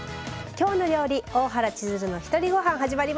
「きょうの料理」「大原千鶴のひとりごはん」始まりました。